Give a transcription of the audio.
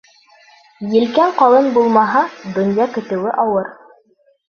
Елкәң ҡалын булмаһа, донъя көтөүе ауыр.